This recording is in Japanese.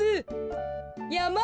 やま！